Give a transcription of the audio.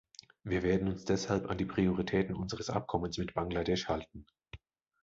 Wir werden uns deshalb an die Prioritäten unseres Abkommens mit Bangladesch halten.